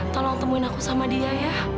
tolong temuin aku sama dia ya